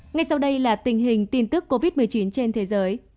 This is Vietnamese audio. ngay sau đây là tình hình tin tức covid một mươi chín trên thế giới